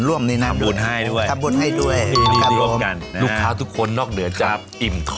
ว้าว